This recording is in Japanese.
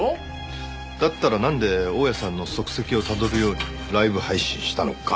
だったらなんで大屋さんの足跡をたどるようにライブ配信したのか？